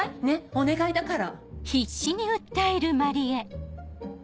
お願いだから。